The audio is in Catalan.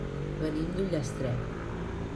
Venim d'Ullastret.